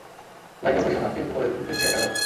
লাইজ্ঞা বইসো না, টেম্পু করে দিতেছি একা যাও।